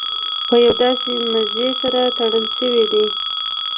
په یو داسې مزي سره تړل شوي دي.